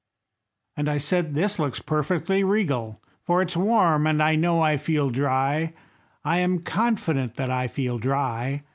And I said: "This looks perfectly regal, For it's warm, and I know I feel dry, I am confident that I feel dry.